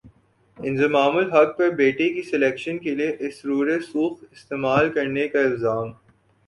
انضمام الحق پر بیٹے کی سلیکشن کیلئے اثرورسوخ استعمال کرنے کا الزام